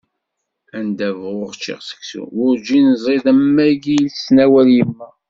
Anda bɣuɣ ččiɣ seksu werǧin ẓid am wagi i d-tettnawal yemma.